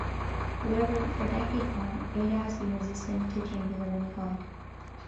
However, for decades now, "Aida" has been resistant to change of any kind.